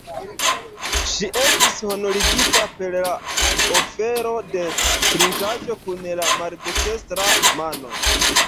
Ŝi estis honorigita per la ofero de trinkaĵo kun la maldekstra mano.